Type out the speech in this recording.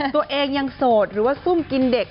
ตัวเองยังโสดหรือว่าซุ่มกินเด็ก